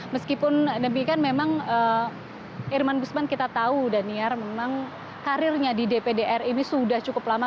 meskipun demikian memang irman gusman kita tahu daniar memang karirnya di dpdr ini sudah cukup lama